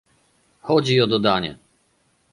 Chodzi o dodanie